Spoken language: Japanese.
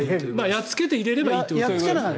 やっつけて入れればいいってことですね。